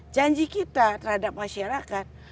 janji kita terhadap masyarakat